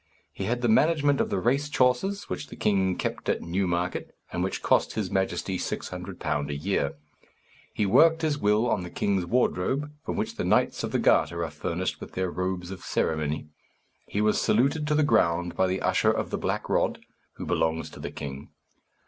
He had the management of the race horses which the king kept at Newmarket, and which cost his Majesty £600 a year. He worked his will on the king's wardrobe, from which the Knights of the Garter are furnished with their robes of ceremony. He was saluted to the ground by the usher of the Black Rod, who belongs to the king.